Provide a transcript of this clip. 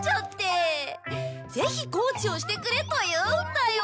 ぜひコーチをしてくれと言うんだよ。